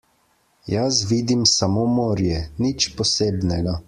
Jaz vidim samo morje, nič posebnega.